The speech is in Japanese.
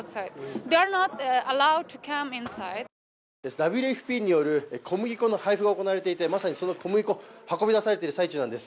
ＷＦＰによる小麦粉の配布が行われていて、まさにその小麦粉、運び出されている最中なんです。